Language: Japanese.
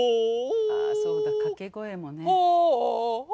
ああそうだ掛け声もね。ホオオ！